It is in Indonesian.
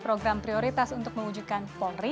program prioritas untuk mewujudkan polri